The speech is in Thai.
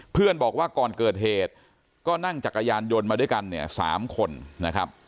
เพื่อนบอกว่าก่อนเกิดเหตุก็นั่งจักรยานยนต์มาด้วยกันเนี่ย๓คนนะครับ